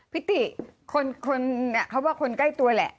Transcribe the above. พี่ติคนเขาว่าคนใกล้ตัวแหละ